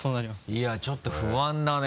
いやぁちょっと不安だね